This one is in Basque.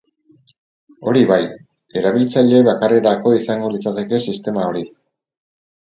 Hori bai, erabiltzaile bakarrerako izango litzateke sistema hori.